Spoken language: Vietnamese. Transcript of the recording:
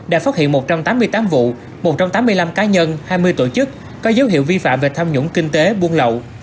đã phát hiện một trăm tám mươi tám vụ một trăm tám mươi năm cá nhân hai mươi tổ chức có dấu hiệu vi phạm về tham nhũng kinh tế buôn lậu